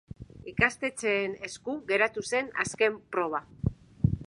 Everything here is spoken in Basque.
Ikastetxeen esku geratu zen azken proba.